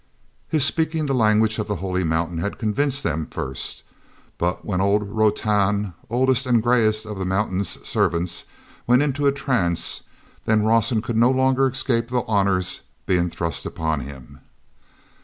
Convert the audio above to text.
His speaking the language of the holy mountain had convinced them first. But when old Rotan, oldest and grayest of the mountain's servants, went into a trance, then Rawson could no longer escape the honors being thrust upon him.